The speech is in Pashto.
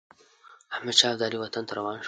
احمدشاه ابدالي وطن ته روان شو.